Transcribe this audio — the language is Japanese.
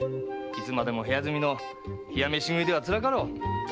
いつまでも部屋住みの冷や飯食いではつらかろう。